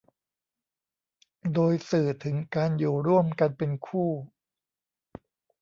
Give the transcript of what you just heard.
โดยสื่อถึงการอยู่ร่วมกันเป็นคู่